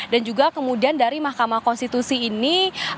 dan juga kemudian dari mahkamah konstitusi ini